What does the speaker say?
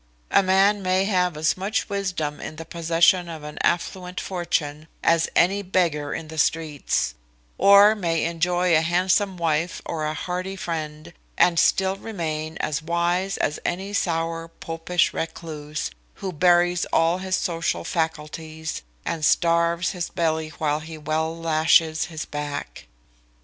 A man may have as much wisdom in the possession of an affluent fortune, as any beggar in the streets; or may enjoy a handsome wife or a hearty friend, and still remain as wise as any sour popish recluse, who buries all his social faculties, and starves his belly while he well lashes his back.